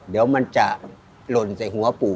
เดี๋ยวมันจะหล่นใส่หัวปู่